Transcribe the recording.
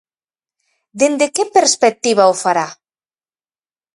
Dende que perspectiva o fará?